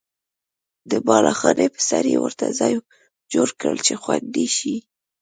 د بالاخانې په سر یې ورته ځای جوړ کړل چې خوندي شي.